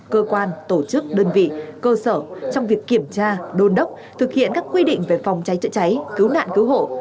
cơ quan tổ chức đơn vị cơ sở trong việc kiểm tra đôn đốc thực hiện các quy định về phòng cháy chữa cháy cứu nạn cứu hộ